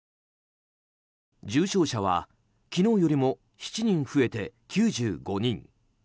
重症者は昨日よりも７人増えて９５人。